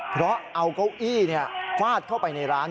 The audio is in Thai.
เพราะเอาเก้าอี้ฟาดเข้าไปในร้าน